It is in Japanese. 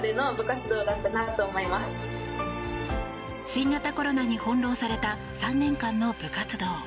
新型コロナに翻弄された３年間の部活動。